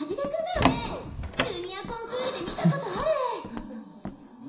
ジュニアコンクールで見たことある！